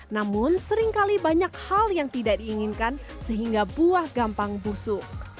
namun seringkali banyak hal yang tidak diinginkan sehingga buah gampang busuk